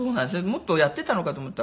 もっとやってたのかと思ったら。